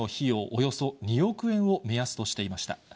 およそ２億円を目安としていました。